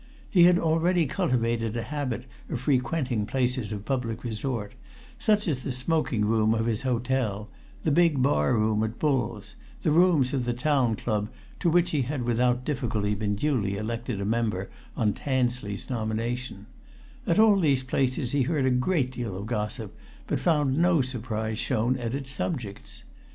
He had already cultivated a habit of frequenting places of public resort, such as the smoking room of his hotel, the big bar room at Bull's, the rooms of the Town Club, to which he had without difficulty been duly elected a member on Tansley's nomination; at all these places he heard a great deal of gossip, but found no surprise shown at its subjects.